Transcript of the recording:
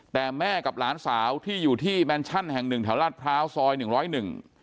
แต่แม่กับหลานสาวที่อยู่ที่แมนชั่นแห่งหนึ่งแถวลาดพร้าวซอยหนึ่งร้อยหนึ่ง